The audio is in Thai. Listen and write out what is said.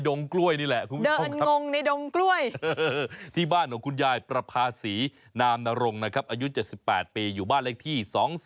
โดยการประเทศอุนาที่๔